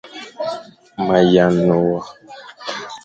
Ma yane wa.